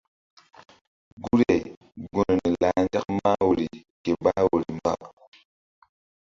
Guri-ay gunri lah nzak mah woyri ke bah woyri mba.